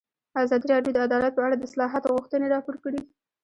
ازادي راډیو د عدالت په اړه د اصلاحاتو غوښتنې راپور کړې.